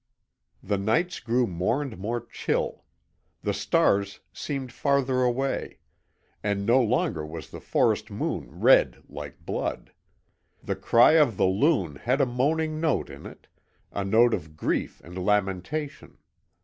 The nights grew more and more chill. The stars seemed farther away, and no longer was the forest moon red like blood. The cry of the loon had a moaning note in it, a note of grief and lamentation.